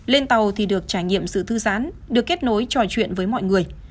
lên tàu thì được trải nghiệm sự thư giãn được kết nối trò chuyện với mọi người